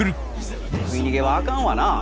食い逃げはあかんわな。